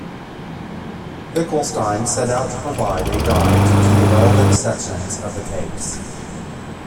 Finkelstein set out to provide a guide to the relevant sections of the case.